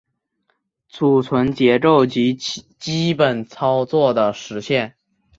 存储结构及基本操作的实现